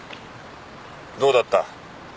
どうだった？